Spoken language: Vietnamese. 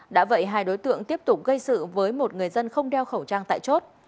đã vậy hai đối tượng tiếp tục gây sự với một người dân không đeo khẩu trang tại chốt